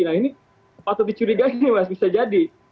nah ini patut dicurigai nih mas bisa jadi